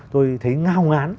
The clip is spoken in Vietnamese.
tôi thấy ngao ngán